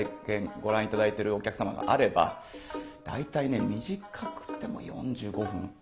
ご覧頂いてるお客様があれば大体ね短くても４５分。